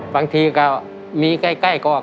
บางทีก็มีใกล้ก็